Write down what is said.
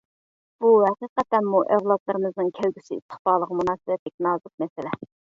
بۇ ھەقىقەتەنمۇ ئەۋلادلىرىمىزنىڭ كەلگۈسى ئىستىقبالىغا مۇناسىۋەتلىك نازۇك مەسىلە.